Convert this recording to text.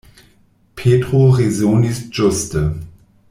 Petro rezonis ĝuste.